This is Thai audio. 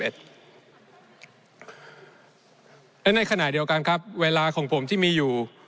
และในขณะเดียวกันครับเวลาของผมที่มีอยู่